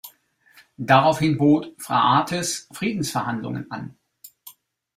Daraufhin bot Phraates Friedensverhandlungen an.